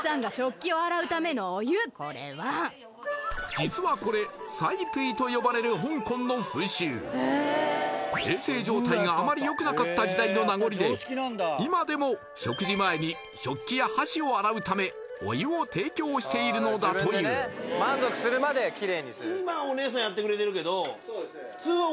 実はこれ洗杯と呼ばれる香港の風習衛生状態があまり良くなかった時代の名残で今でも食事前に食器や箸を洗うためお湯を提供しているのだという今おねえさんやってくれてるけど・